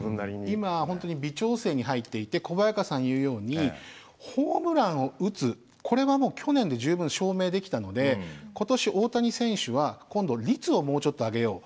今本当に微調整に入っていて小早川さん言うようにホームランを打つこれはもう去年で十分証明できたので今年大谷選手は今度率をもうちょっと上げよう。